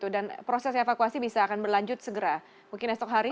dan proses evakuasi bisa akan berlanjut segera mungkin esok hari